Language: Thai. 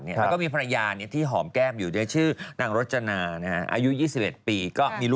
แล้วก็มีภรรยาที่หอมแก้มอยู่ชื่อนางรจนาอายุ๒๑ปี